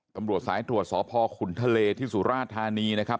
ตำรวจสายตรวจสพขุนทะเลที่สุราธานีนะครับ